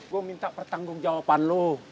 gue minta pertanggung jawaban lo